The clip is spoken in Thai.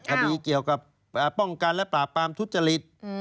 คดีเกี่ยวกับป้องกันและปราบปรามทุจริต